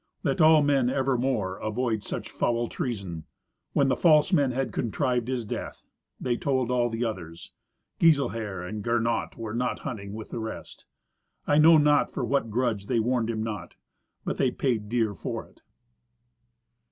Let all men evermore avoid such foul treason. When the false man had contrived his death, they told all the others. Giselher and Gernot were not hunting with the rest. I know not for what grudge they warned him not. But they paid dear for it.